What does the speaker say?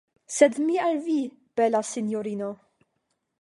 Sed mi al vi, bela sinjorino.